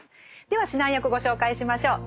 では指南役ご紹介しましょう。